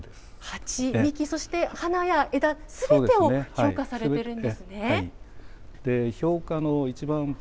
鉢、幹、そして花や枝、すべてを評価されてるんですね。